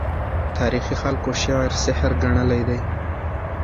تاریخي خلکو شعر سحر ګڼلی دی.